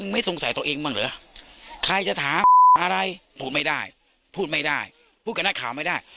ไม่สงสัยตลอดบื้องเหรอใครจะตาอะไรผมไม่ได้พูดไม่ได้พูดกันค่ะไม่ได้